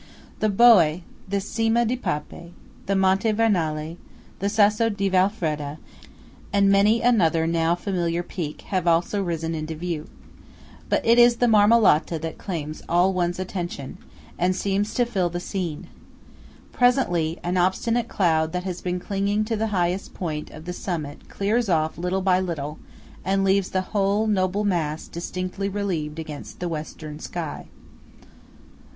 The Boé, the Cima di Pape, the Monte Vernale, the Sasso di Val Fredda, and many another now familiar peak, have also risen into view. But it is the Marmolata that claims all one's attention, and seems to fill the scene. Presently, an obstinate cloud that has been clinging to the highest point of the summit clears off little by little, and leaves the whole noble mass distinctly relieved against the western sky.